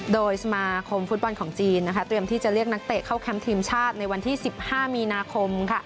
โดยสมาคมฟุตบอลของจีนเตรียมที่จะเรียกนักเตะเข้าแคมป์ทีมชาติในวันที่๑๕มีนาคม